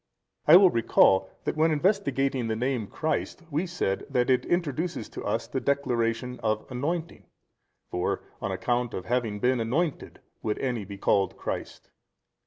I will recall that when investigating the name Christ we said that it introduces to us the declaration of anointing: for on account of having |274 been anointed would any be called christ 30.